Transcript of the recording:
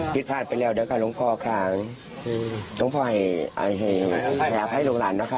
ผิดผ่าไปแล้วด้านกากลงพอคราวลุงพอให้ขายอาภัยลงหลังนะคะน้ำ